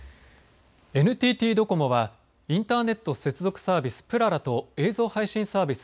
ＮＴＴドコモはインターネット接続サービスぷららと映像配信サービス